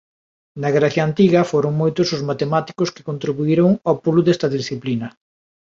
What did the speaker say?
Na Grecia antiga foron moitos os matemáticos que contribuíron ao pulo desta disciplina.